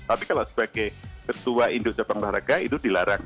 tapi kalau sebagai ketua indonesia pembaraka itu dilarang